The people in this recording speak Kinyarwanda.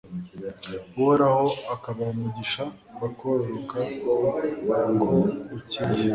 Uhoraho akabaha umugisha bakororoka uko bukeye